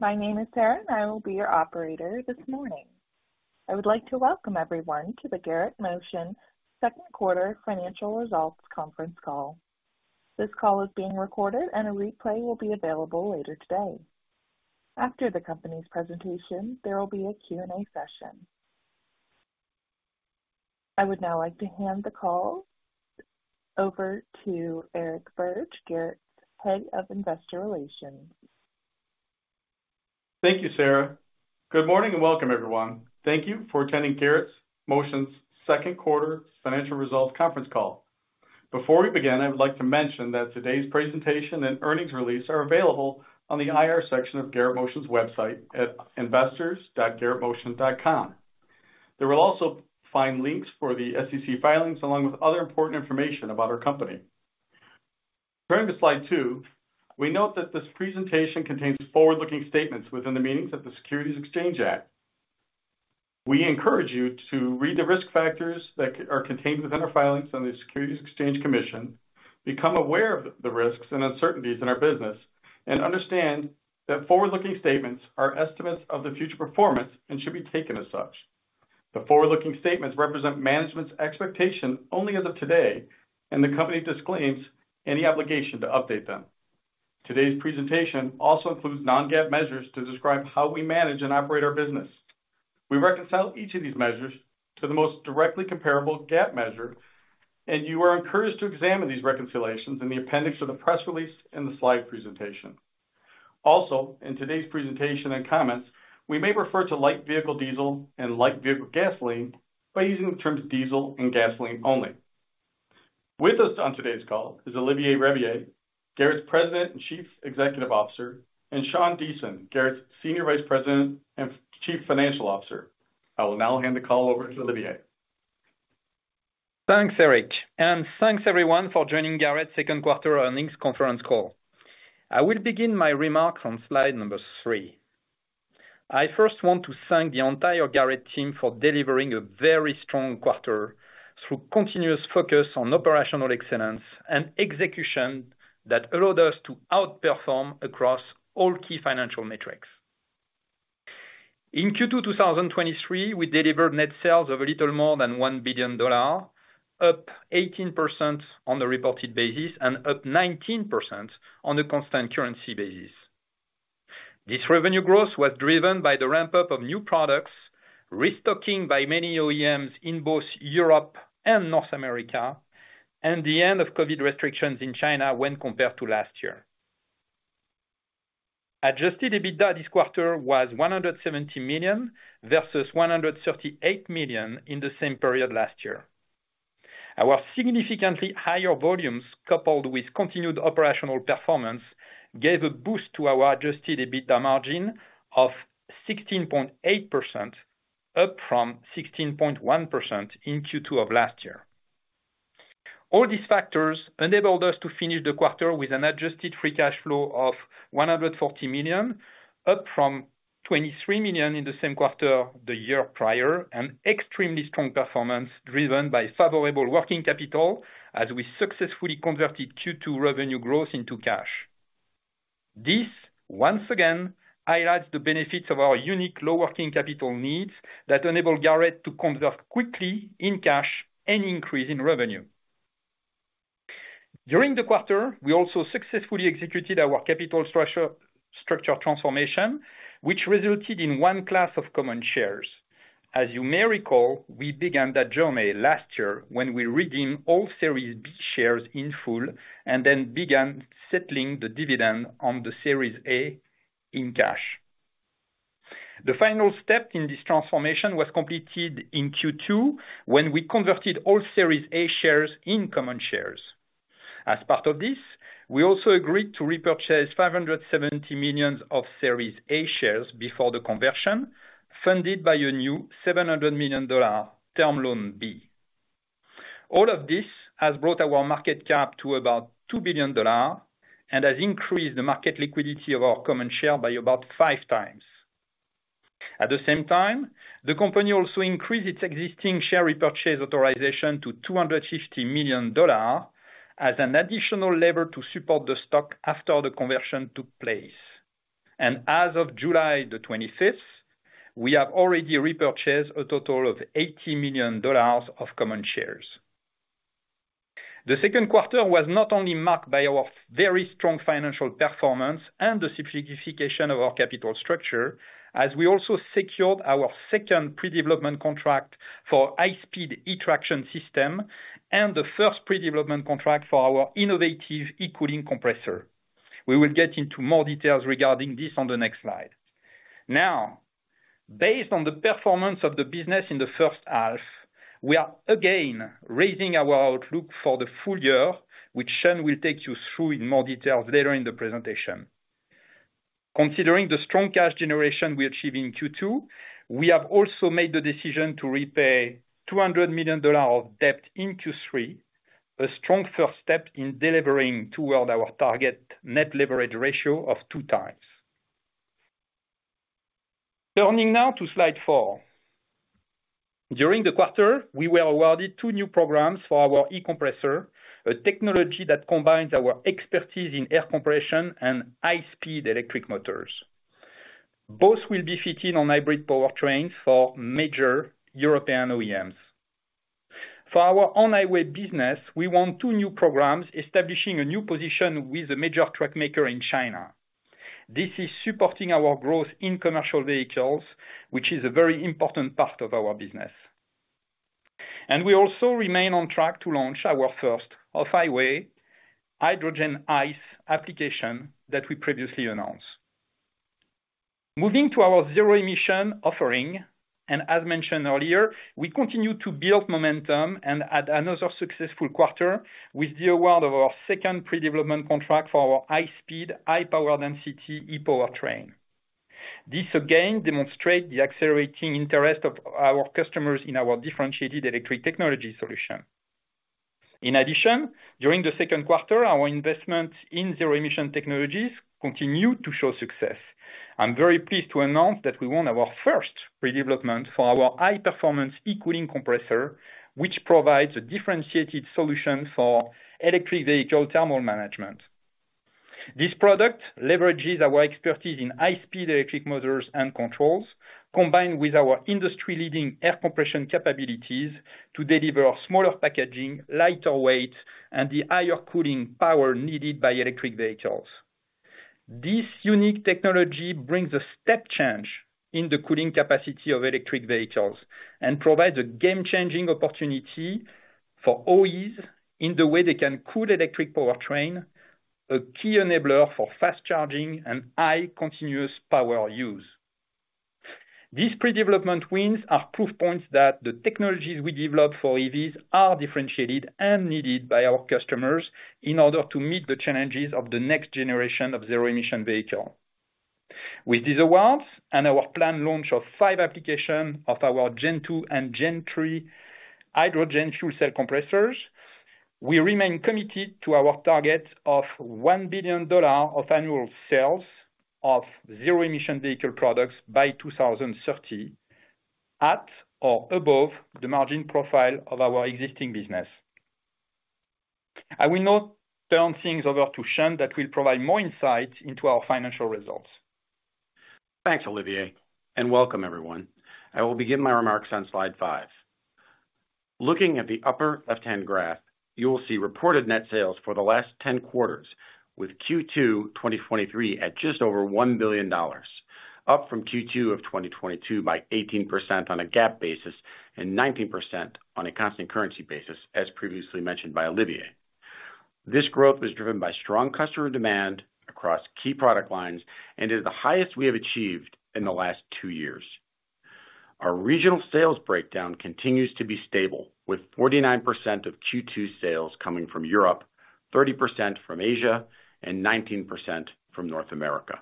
Hey, my name is Sarah, and I will be your operator this morning. I would like to welcome everyone to the Garrett Motion Second Quarter Financial Results conference call. This call is being recorded, and a replay will be available later today. After the company's presentation, there will be a Q&A session. I would now like to hand the call over to Eric Birge, Garrett's Head of Investor Relations. Thank you, Sarah. Good morning, and welcome everyone. Thank you for attending Garrett Motion's second quarter financial results conference call. Before we begin, I would like to mention that today's presentation and earnings release are available on the IR section of Garrett Motion's website at investors.garrettmotion.com. There you'll also find links for the SEC filings, along with other important information about our company. Turning to slide two, we note that this presentation contains forward-looking statements within the meanings of the Securities Exchange Act. We encourage you to read the risk factors that are contained within our filings on the Securities and Exchange Commission, become aware of the risks and uncertainties in our business, and understand that forward-looking statements are estimates of the future performance and should be taken as such. The forward-looking statements represent management's expectations only as of today, and the company disclaims any obligation to update them. Today's presentation also includes non-GAAP measures to describe how we manage and operate our business. We reconcile each of these measures to the most directly comparable GAAP measure, and you are encouraged to examine these reconciliations in the appendix of the press release and the slide presentation. In today's presentation and comments, we may refer to light vehicle diesel and light vehicle gasoline by using the terms diesel and gasoline only. With us on today's call is Olivier Rabiller, Garrett's President and Chief Executive Officer, and Sean Deason, Garrett's Senior Vice President and Chief Financial Officer. I will now hand the call over to Olivier. Thanks, Eric, and thanks everyone for joining Garrett's second quarter earnings conference call. I will begin my remarks on slide number 3. I first want to thank the entire Garrett team for delivering a very strong quarter through continuous focus on operational excellence and execution that allowed us to outperform across all key financial metrics. In Q2, 2023, we delivered net sales of a little more than $1 billion, up 18% on a reported basis and up 19% on a constant currency basis. This revenue growth was driven by the ramp-up of new products, restocking by many OEMs in both Europe and North America, and the end of COVID restrictions in China when compared to last year. Adjusted EBITDA this quarter was $170 million versus $138 million in the same period last year. Our significantly higher volumes, coupled with continued operational performance, gave a boost to our Adjusted EBITDA margin of 16.8%, up from 16.1% in Q2 of last year. All these factors enabled us to finish the quarter with an adjusted free cash flow of $140 million, up from $23 million in the same quarter the year prior, an extremely strong performance driven by favorable working capital as we successfully converted Q2 revenue growth into cash. This, once again, highlights the benefits of our unique low working capital needs that enable Garrett to convert quickly in cash any increase in revenue. During the quarter, we also successfully executed our capital structure transformation, which resulted in one class of common shares. As you may recall, we began that journey last year when we redeemed all Series B shares in full and then began settling the dividend on the Series A in cash. The final step in this transformation was completed in Q2 when we converted all Series A shares in common shares. As part of this, we also agreed to repurchase $570 million of Series A shares before the conversion, funded by a new $700 million Term Loan B. All of this has brought our market cap to about $2 billion and has increased the market liquidity of our common share by about five times. At the same time, the company also increased its existing share repurchase authorization to $250 million as an additional lever to support the stock after the conversion took place. As of July the twenty-fifth, we have already repurchased a total of $80 million of common shares. The second quarter was not only marked by our very strong financial performance and the simplification of our capital structure, as we also secured our second pre-development contract for high speed e-traction system and the first pre-development contract for our innovative e-cooling compressor. We will get into more details regarding this on the next slide. Based on the performance of the business in the first half, we are again raising our outlook for the full year, which Sean will take you through in more detail later in the presentation. Considering the strong cash generation we achieved in Q2, we have also made the decision to repay $200 million of debt in Q3, a strong first step in delivering toward our target net leverage ratio of 2 times. Turning now to Slide 4. During the quarter, we were awarded two new programs for our E-Compressor, a technology that combines our expertise in air compression and high-speed electric motors. Both will be fitting on hybrid powertrains for major European OEMs. For our on-highway business, we want two new programs establishing a new position with a major truck maker in China. This is supporting our growth in commercial vehicles, which is a very important part of our business. We also remain on track to launch our first off-highway hydrogen ICE application that we previously announced. Moving to our zero emission offering, and as mentioned earlier, we continue to build momentum and add another successful quarter with the award of our second pre-development contract for our high speed, high power density E-Powertrain. This again demonstrate the accelerating interest of our customers in our differentiated electric technology solution. In addition, during the second quarter, our investment in zero emission technologies continued to show success. I'm very pleased to announce that we won our first pre-development for our high performance e-cooling compressor, which provides a differentiated solution for electric vehicle thermal management. This product leverages our expertise in high-speed electric motors and controls, combined with our industry-leading air compression capabilities, to deliver smaller packaging, lighter weight, and the higher cooling power needed by electric vehicles. This unique technology brings a step change in the cooling capacity of electric vehicles and provides a game-changing opportunity for OEs in the way they can cool E-Powertrain, a key enabler for fast charging and high continuous power use. These pre-development wins are proof points that the technologies we develop for EVs are differentiated and needed by our customers in order to meet the challenges of the next generation of Zero-Emission Vehicle. With these awards and our planned launch of five application of our Gen 2 and Gen 3 hydrogen fuel cell compressors, we remain committed to our target of $1 billion of annual sales of Zero-Emission Vehicle products by 2030, at or above the margin profile of our existing business. I will now turn things over to Sean, that will provide more insight into our financial results. Thanks, Olivier. Welcome everyone. I will begin my remarks on slide 5. Looking at the upper left-hand graph, you will see reported net sales for the last 10 quarters, with Q2 2023 at just over $1 billion, up from Q2 of 2022 by 18% on a GAAP basis and 19% on a constant currency basis, as previously mentioned by Olivier. This growth was driven by strong customer demand across key product lines and is the highest we have achieved in the last 2 years. Our regional sales breakdown continues to be stable, with 49% of Q2 sales coming from Europe, 30% from Asia, and 19% from North America.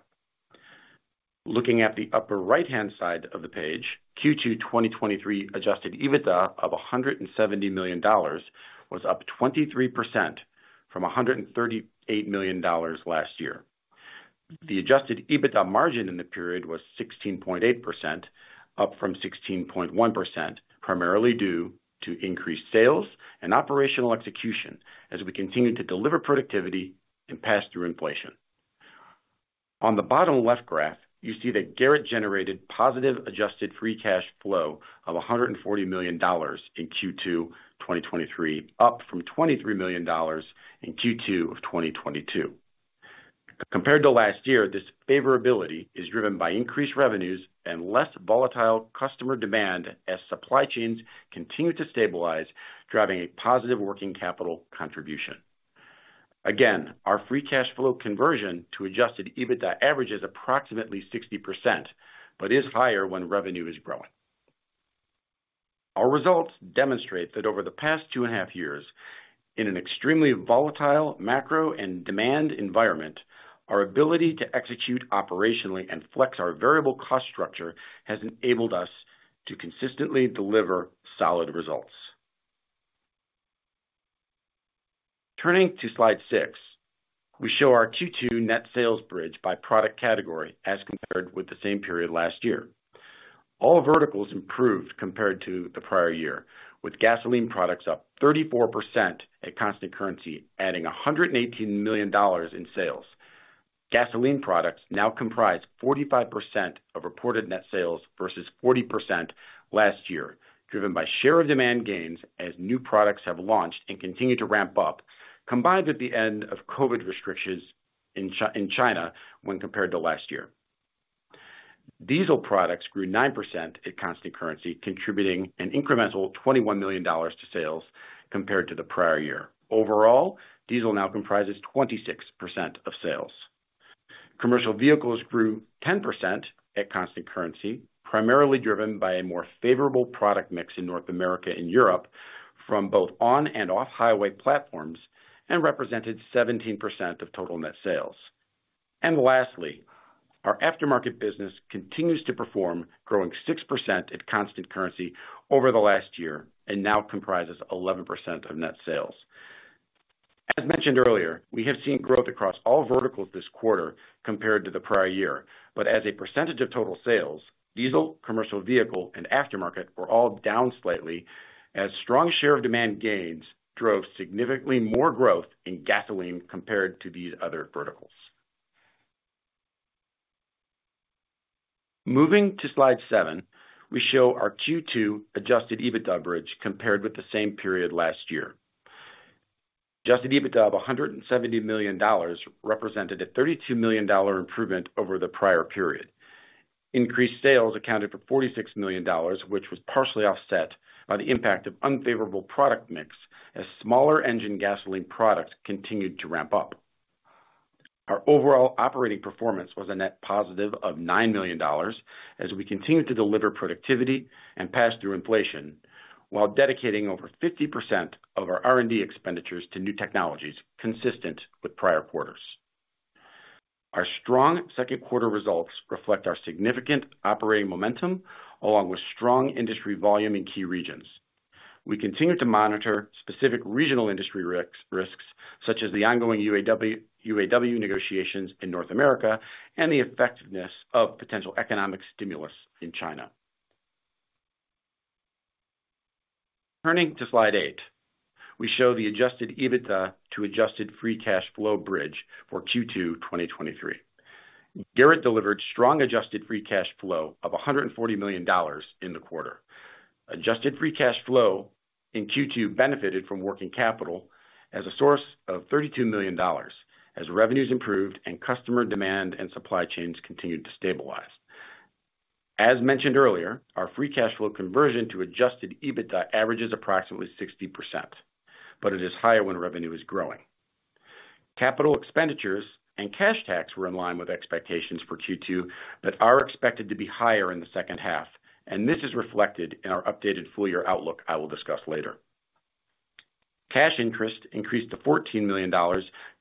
Looking at the upper right-hand side of the page, Q2 2023 Adjusted EBITDA of $170 million was up 23% from $138 million last year. The Adjusted EBITDA margin in the period was 16.8%, up from 16.1%, primarily due to increased sales and operational execution as we continue to deliver productivity and pass through inflation. On the bottom left graph, you see that Garrett generated positive adjusted free cash flow of $140 million in Q2 2023, up from $23 million in Q2 2022. Compared to last year, this favorability is driven by increased revenues and less volatile customer demand as supply chains continue to stabilize, driving a positive working capital contribution. Our free cash flow conversion to Adjusted EBITDA averages approximately 60%, but is higher when revenue is growing. Our results demonstrate that over the past two and a half years, in an extremely volatile macro and demand environment, our ability to execute operationally and flex our variable cost structure has enabled us to consistently deliver solid results. Turning to slide 6, we show our Q2 net sales bridge by product category as compared with the same period last year. All verticals improved compared to the prior year, with gasoline products up 34% at constant currency, adding $118 million in sales. Gasoline products now comprise 45% of reported net sales versus 40% last year, driven by share of demand gains as new products have launched and continue to ramp up, combined with the end of COVID restrictions in China when compared to last year. Diesel products grew 9% at constant currency, contributing an incremental $21 million to sales compared to the prior year. Overall, diesel now comprises 26% of sales. Commercial vehicles grew 10% at constant currency, primarily driven by a more favorable product mix in North America and Europe from both on and off-highway platforms, and represented 17% of total net sales. Lastly, our aftermarket business continues to perform, growing 6% at constant currency over the last year and now comprises 11% of net sales. As mentioned earlier, we have seen growth across all verticals this quarter compared to the prior year. As a % of total sales, diesel, commercial vehicle, and aftermarket were all down slightly, as strong share of demand gains drove significantly more growth in gasoline compared to these other verticals. Moving to slide 7, we show our Q2 Adjusted EBITDA bridge compared with the same period last year. Adjusted EBITDA of $170 million represented a $32 million improvement over the prior period. Increased sales accounted for $46 million, which was partially offset by the impact of unfavorable product mix, as smaller engine gasoline products continued to ramp up. Our overall operating performance was a net positive of $9 million, as we continued to deliver productivity and pass through inflation, while dedicating over 50% of our R&D expenditures to new technologies, consistent with prior quarters. Our strong second quarter results reflect our significant operating momentum, along with strong industry volume in key regions. We continue to monitor specific regional industry risks, such as the ongoing UAW negotiations in North America and the effectiveness of potential economic stimulus in China. Turning to slide eight, we show the Adjusted EBITDA to adjusted free cash flow bridge for Q2 2023. Garrett delivered strong adjusted free cash flow of $140 million in the quarter. Adjusted free cash flow in Q2 benefited from working capital as a source of $32 million, as revenues improved and customer demand and supply chains continued to stabilize. As mentioned earlier, our free cash flow conversion to Adjusted EBITDA averages approximately 60%, but it is higher when revenue is growing. Capital expenditures and cash tax were in line with expectations for Q2, but are expected to be higher in the second half, and this is reflected in our updated full year outlook I will discuss later. Cash interest increased to $14 million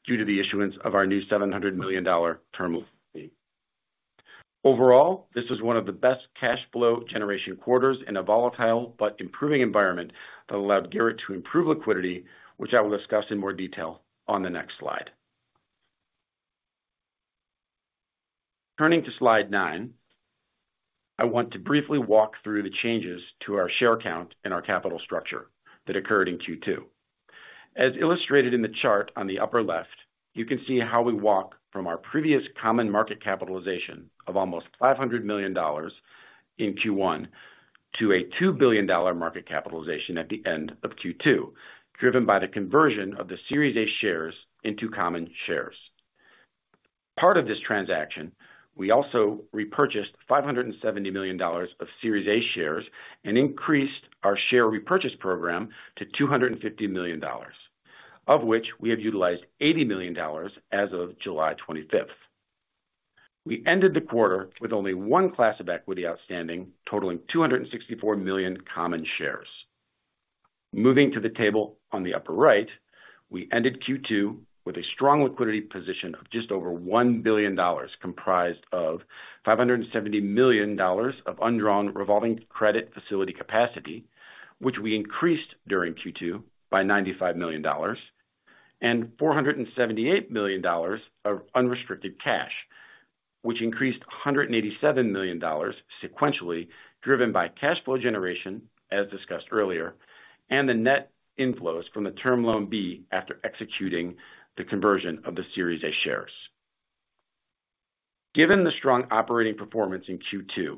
due to the issuance of our new $700 million Term Loan B. Overall, this was one of the best cash flow generation quarters in a volatile but improving environment that allowed Garrett to improve liquidity, which I will discuss in more detail on the next slide. Turning to slide 9, I want to briefly walk through the changes to our share count and our capital structure that occurred in Q2. As illustrated in the chart on the upper left, you can see how we walk from our previous common market capitalization of almost $500 million in Q1 to a $2 billion market capitalization at the end of Q2, driven by the conversion of the Series A shares into common shares. Part of this transaction, we also repurchased $570 million of Series A shares and increased our share repurchase program to $250 million, of which we have utilized $80 million as of July 25th. We ended the quarter with only one class of equity outstanding, totaling 264 million common shares. Moving to the table on the upper right, we ended Q2 with a strong liquidity position of just over $1 billion, comprised of $570 million of undrawn revolving credit facility capacity, which we increased during Q2 by $95 million, and $478 million of unrestricted cash, which increased $187 million sequentially, driven by cash flow generation, as discussed earlier, and the net inflows from the Term Loan B after executing the conversion of the Series A shares. Given the strong operating performance in Q2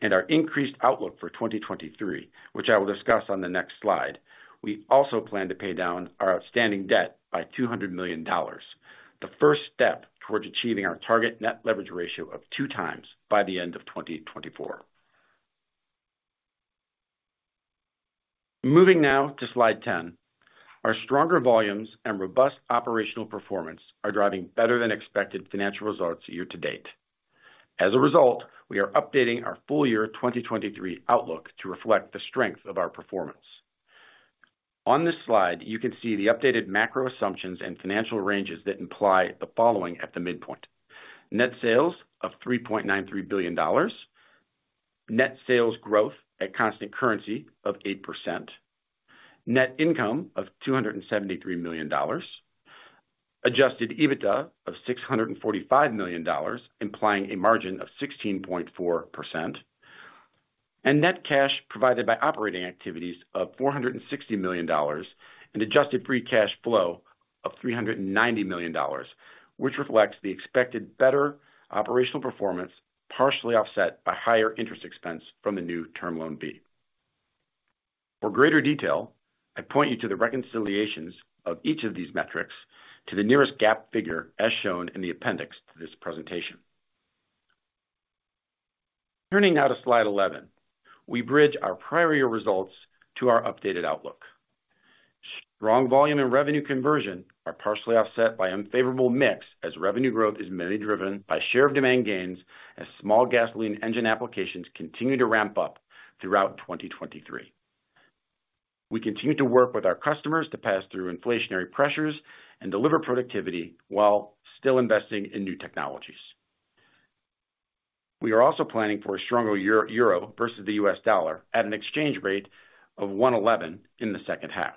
and our increased outlook for 2023, which I will discuss on the next slide, we also plan to pay down our outstanding debt by $200 million, the first step towards achieving our target net leverage ratio of 2 times by the end of 2024. Moving now to slide 10. Our stronger volumes and robust operational performance are driving better than expected financial results year to date. As a result, we are updating our full year 2023 outlook to reflect the strength of our performance. On this slide, you can see the updated macro assumptions and financial ranges that imply the following at the midpoint: Net sales of $3.93 billion, net sales growth at constant currency of 8%, net income of $273 million, Adjusted EBITDA of $645 million, implying a margin of 16.4%, and net cash provided by operating activities of $460 million, and adjusted free cash flow of $390 million, which reflects the expected better operational performance, partially offset by higher interest expense from the new Term Loan B. For greater detail, I point you to the reconciliations of each of these metrics to the nearest GAAP figure, as shown in the appendix to this presentation. Turning now to slide 11, we bridge our prior year results to our updated outlook. Strong volume and revenue conversion are partially offset by unfavorable mix, as revenue growth is mainly driven by share of demand gains, as small gasoline engine applications continue to ramp up throughout 2023. We continue to work with our customers to pass through inflationary pressures and deliver productivity while still investing in new technologies. We are also planning for a stronger Euro versus the US dollar at an exchange rate of 1.11 in the second half.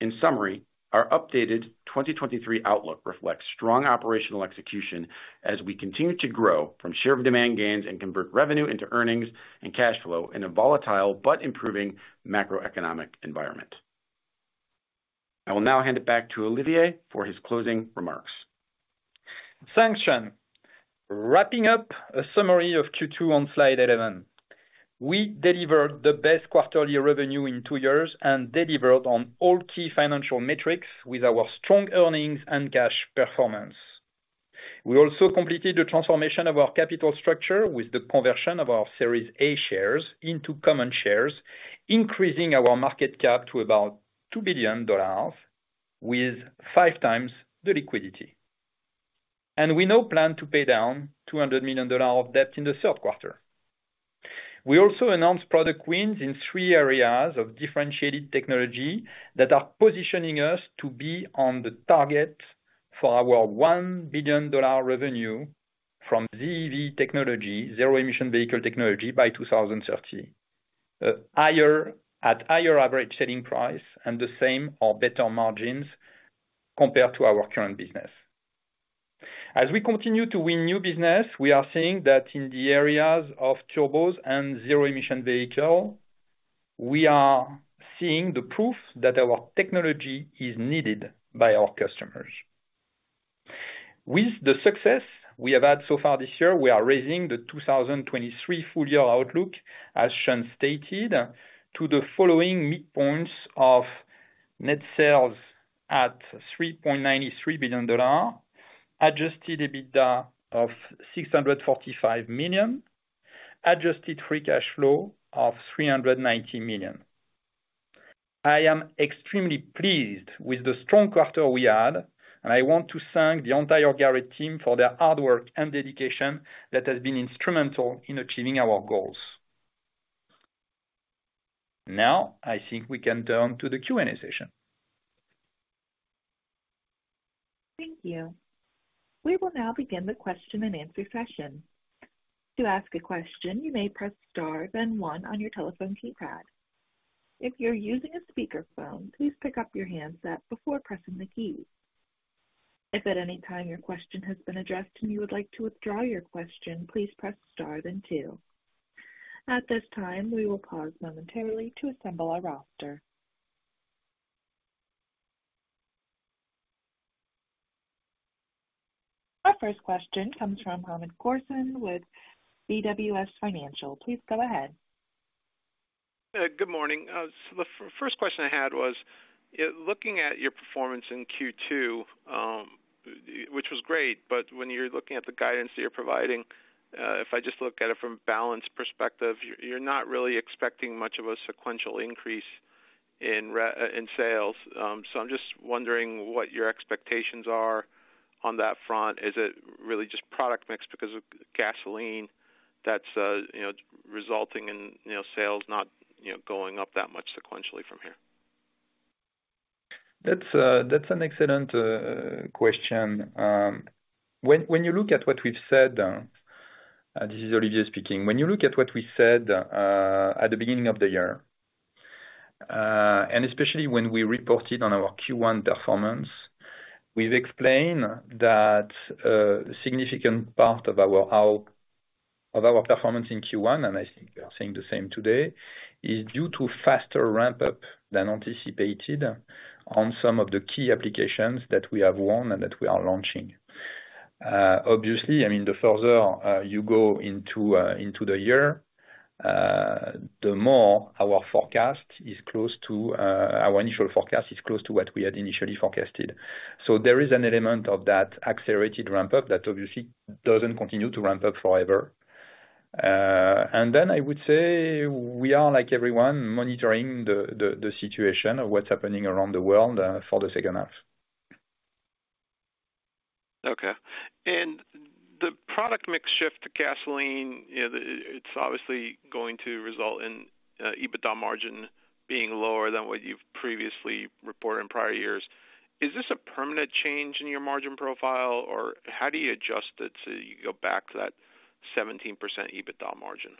In summary, our updated 2023 outlook reflects strong operational execution as we continue to grow from share of demand gains and convert revenue into earnings and cash flow in a volatile but improving macroeconomic environment. I will now hand it back to Olivier for his closing remarks. Thanks, Sean. Wrapping up a summary of Q2 on slide 11. We delivered the best quarterly revenue in 2 years and delivered on all key financial metrics with our strong earnings and cash performance. We also completed the transformation of our capital structure with the conversion of our Series A shares into common shares, increasing our market cap to about $2 billion, with 5 times the liquidity. We now plan to pay down $200 million of debt in the 3rd quarter. We also announced product wins in 3 areas of differentiated technology that are positioning us to be on the target for our $1 billion revenue from ZEV technology, Zero-Emission Vehicle technology, by 2030. higher, at higher average selling price and the same or better margins compared to our current business. As we continue to win new business, we are seeing that in the areas of turbos and zero-emission vehicle, we are seeing the proof that our technology is needed by our customers. With the success we have had so far this year, we are raising the 2023 full year outlook, as Sean stated, to the following midpoints of net sales at $3.93 billion, Adjusted EBITDA of $645 million, adjusted free cash flow of $390 million. I am extremely pleased with the strong quarter we had, I want to thank the entire Garrett team for their hard work and dedication that has been instrumental in achieving our goals. Now, I think we can turn to the Q&A session. Thank you. We will now begin the question and answer session. To ask a question, you may press star, then 1 on your telephone keypad. If you're using a speakerphone, please pick up your handset before pressing the key. If at any time your question has been addressed and you would like to withdraw your question, please press star then 2. At this time, we will pause momentarily to assemble our roster. Our first question comes from Hamed Khorsand with BWS Financial. Please go ahead. Good morning. The first question I had was, looking at your performance in Q2, which was great, but when you're looking at the guidance that you're providing, if I just look at it from a balance perspective, you're not really expecting much of a sequential increase in sales. I'm just wondering what your expectations are on that front. Is it really just product mix because of gasoline that's, you know, resulting in, you know, sales not, you know, going up that much sequentially from here? That's, that's an excellent question. When you look at what we've said, this is Olivier speaking. When you look at what we said at the beginning of the year, and especially when we reported on our Q1 performance, we've explained that a significant part of our performance in Q1, and I think we are saying the same today, is due to faster ramp-up than anticipated on some of the key applications that we have won and that we are launching. Obviously, I mean, the further you go into the year, the more our forecast is close to our initial forecast is close to what we had initially forecasted. There is an element of that accelerated ramp-up that obviously doesn't continue to ramp up forever. I would say, we are like everyone, monitoring the situation of what's happening around the world, for the second half. Okay. The product mix shift to gasoline, you know, it's obviously going to result in EBITDA margin being lower than what you've previously reported in prior years. Is this a permanent change in your margin profile, or how do you adjust it so you go back to that 17% EBITDA margin?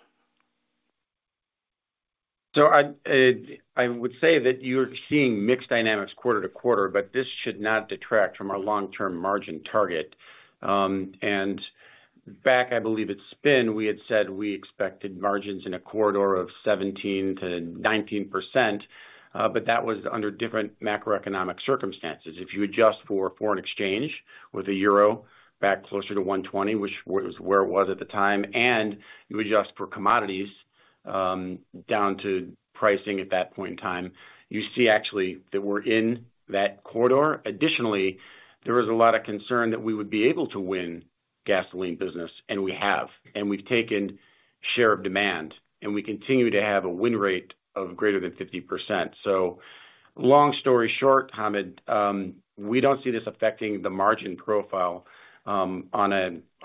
I would say that you're seeing mixed dynamics quarter to quarter, but this should not detract from our long-term margin target. Back, I believe, it's spin, we had said we expected margins in a corridor of 17%-19%, but that was under different macroeconomic circumstances. If you adjust for foreign exchange, with the Euro back closer to 1.20, which was where it was at the time, and you adjust for commodities, down to pricing at that point in time, you see actually that we're in that corridor. There was a lot of concern that we would be able to win gasoline business, and we have, and we've taken share of demand, and we continue to have a win rate of greater than 50%. Long story short, Hamid, we don't see this affecting the margin profile on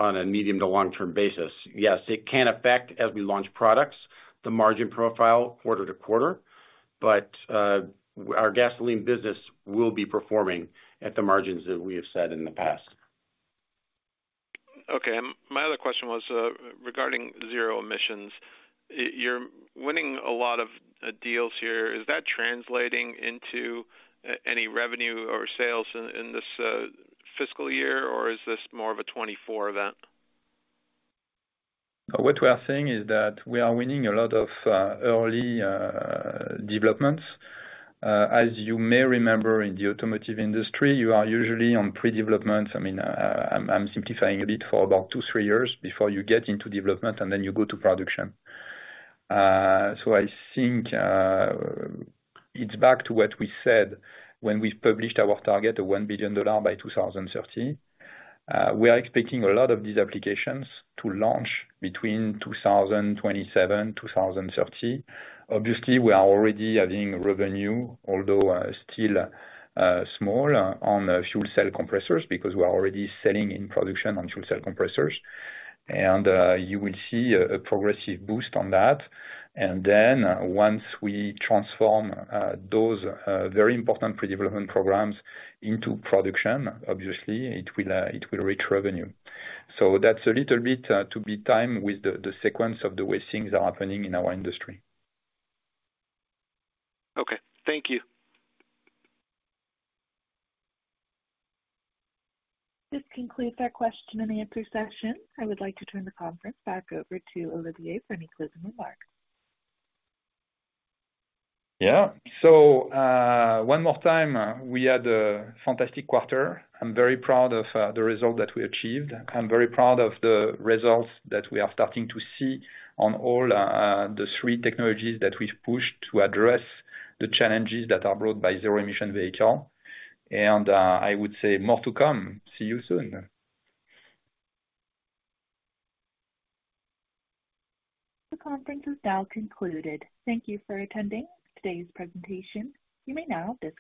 a medium to long-term basis. Yes, it can affect as we launch products, the margin profile quarter to quarter. Our gasoline business will be performing at the margins that we have said in the past. Okay. My other question was regarding zero emissions. You're winning a lot of deals here. Is that translating into any revenue or sales in this fiscal year? Is this more of a 2024 event? What we are saying is that we are winning a lot of early developments. As you may remember, in the automotive industry, you are usually on pre-development. I mean, I'm simplifying a bit, for about two, three years before you get into development, and then you go to production. I think it's back to what we said when we published our target of $1 billion by 2030. We are expecting a lot of these applications to launch between 2027, 2030. Obviously, we are already having revenue, although still small on fuel cell compressors, because we are already selling in production on fuel cell compressors. You will see a progressive boost on that. Once we transform, those, very important pre-development programs into production, obviously it will, it will reach revenue. That's a little bit, to be time with the, the sequence of the way things are happening in our industry. Okay, thank you. This concludes our question and answer session. I would like to turn the conference back over to Olivier for any closing remarks. One more time, we had a fantastic quarter. I'm very proud of the result that we achieved. I'm very proud of the results that we are starting to see on all the three technologies that we've pushed to address the challenges that are brought by Zero-Emission Vehicle. I would say more to come. See you soon. The conference is now concluded. Thank you for attending today's presentation. You may now disconnect.